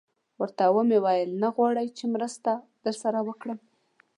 ورته ومې ویل: نه غواړئ چې مرسته در سره وکړم؟